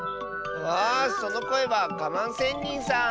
あそのこえはガマンせんにんさん！